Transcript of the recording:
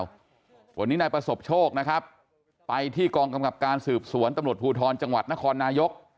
วันนี้นายประสบโชคนะครับไปที่กองกำกับการสืบสวนตำรวจภูทรจังหวัดนครนายก